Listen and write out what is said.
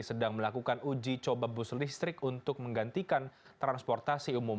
sedang melakukan uji coba bus listrik untuk menggantikan transportasi umum